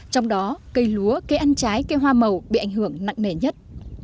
trong đó cây lúa cây ăn trái cây hoa màu bị ảnh hưởng nặng nề nhất